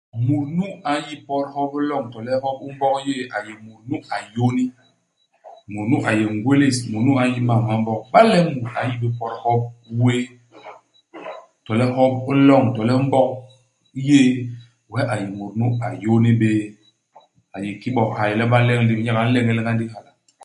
Mut nu a n'yi pot hop u loñ, to le hop u Mbog yéé, a yé mut nu a yôni ; mut nu a yé ngwélés ; mut nu a n'yi mam ma Mbog. Iba le mut a n'yi bé pot hop wéé, to le hop u loñ, to le u Mbog yéé, wee a yé mut nu a yôni bé. A yé kiki bo hyay le ba nleñ i lép. Nyek a nleñel nga ndigi ha.